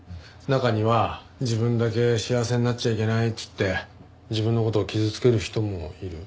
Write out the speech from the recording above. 中には自分だけ幸せになっちゃいけないっつって自分の事を傷つける人もいる。